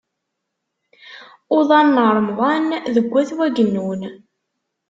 Uḍan n Remḍan deg Wat Wagennun.